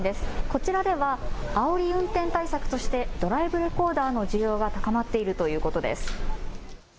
こちらではあおり運転対策としてドライブレコーダーの需要が高まっているということです。